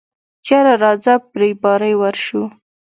يره راځه په رېبارۍ ورشو.